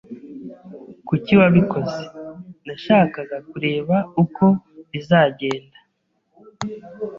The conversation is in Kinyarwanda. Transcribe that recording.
"Kuki wabikoze?" "Nashakaga kureba uko bizagenda."